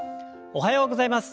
おはようございます。